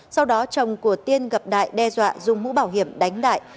sau đó chồng của tiên gặp đại đe dọa dùng mũ bảo hiểm đánh đại